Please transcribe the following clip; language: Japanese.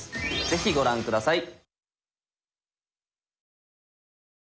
是非ご覧下さい。